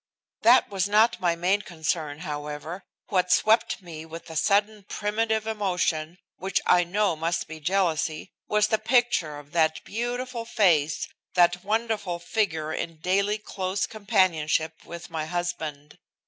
That was not my main concern, however. What swept me with a sudden primitive emotion, which I know must be jealousy, was the picture of that beautiful face, that wonderful figure in daily close companionship with my husband.